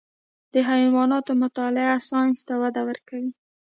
د حیواناتو مطالعه ساینس ته وده ورکوي.